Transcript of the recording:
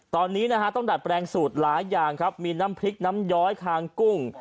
ตอนนี้นะฮะต้องดัดแปลงสูตรหลายอย่างครับมีน้ำพริกน้ำย้อยคางกุ้ง